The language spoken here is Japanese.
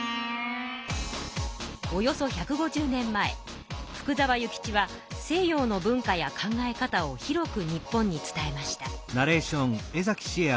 およそ１５０年前福沢諭吉は西洋の文化や考え方を広く日本に伝えました。